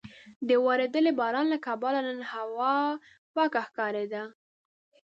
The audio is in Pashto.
د ورېدلي باران له کبله نن د ښار هوا پاکه ښکارېده.